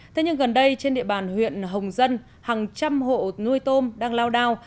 thế nhưng gần đây trên địa bàn huyện hồng dân hàng trăm hộ nuôi tôm đang lao đao